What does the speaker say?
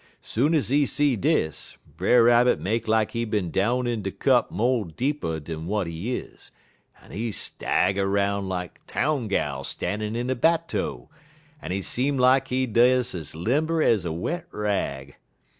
Soon ez he see dis, Brer Rabbit make like he bin down in de cup mo' deeper dan w'at he is, en he stagger 'roun' like town gal stannin' in a batteau, en he seem lak he des ez limber ez a wet rag.